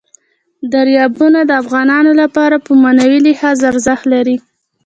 دریابونه د افغانانو لپاره په معنوي لحاظ ارزښت لري.